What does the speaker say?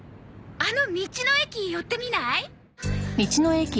あの道の駅寄ってみない？